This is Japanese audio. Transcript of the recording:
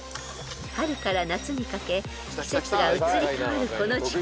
［春から夏にかけ季節が移り変わるこの時期］